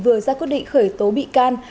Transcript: vừa ra quyết định khởi tố bị can